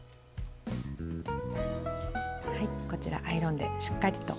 こちらアイロンでしっかりと。